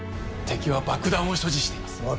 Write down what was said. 敵は爆弾を所持しています。